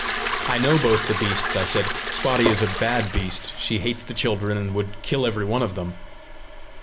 "I know both the beasts," I said. "Spotty is a bad beast. She hates the children, and would kill every one of them.